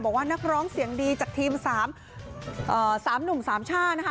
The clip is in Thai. บอกว่านักร้องเสียงดีจากทีมสามเอ่อสามหนุ่มสามชานะฮะ